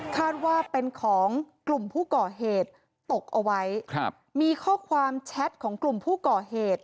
คาดว่าเป็นของกลุ่มผู้ก่อเหตุตกเอาไว้ครับมีข้อความแชทของกลุ่มผู้ก่อเหตุ